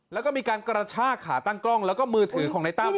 แล้วก็มีการกระชากขาตั้งกล้องแล้วก็มือถือของในตั้ม